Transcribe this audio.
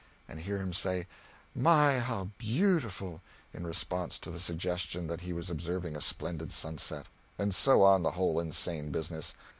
and hear him say, "My, how beautiful!" in response to the suggestion that he was observing a splendid sunset; and so on the whole insane business.